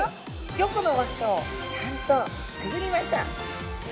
５個の輪っかをちゃんとくぐりました。